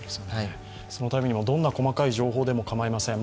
そのためにもどんな細かい情報ても構いません。